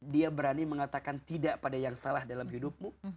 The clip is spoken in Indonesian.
dia berani mengatakan tidak pada yang salah dalam hidupmu